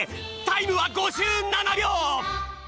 タイムは５７秒！